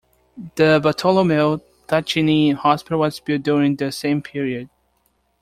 The Bartolomeu Tacchini Hospital was built during the same period.